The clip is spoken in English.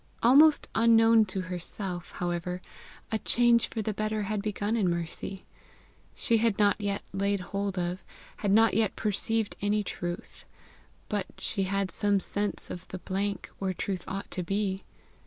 Almost unknown to herself, however, a change for the better had begun in Mercy. She had not yet laid hold of, had not yet perceived any truth; but she had some sense of the blank where truth ought to be.